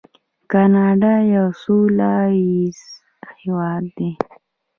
کاناډا یو سوله ییز هیواد دی.